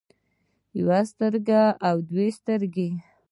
يوه سترګه او دوه سترګې